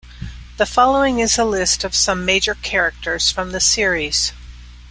The following is a list of some major characters from the series.